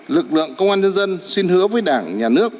lực lượng công an nhân dân xin hứa với đảng nhà nước